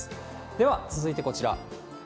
では、続いてこちら。